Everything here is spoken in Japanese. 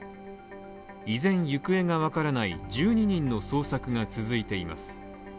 依然行方がわからない１２人の捜索が続いています。